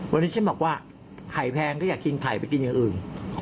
วันนี้ฉันบอกว่าไข่แพงก็อยากกินไข่ไปกินอย่างอื่น